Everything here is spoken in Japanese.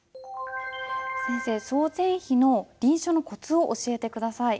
先生「曹全碑」の臨書のコツを教えて下さい。